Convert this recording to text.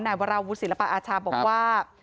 วราวุศิลปอาชาบอกว่า